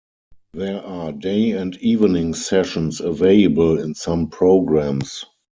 There are day and evening sessions available in some programs.